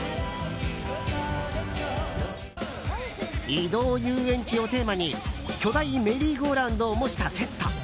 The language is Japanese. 移動遊園地をテーマに巨大メリーゴーラウンドを模したセット。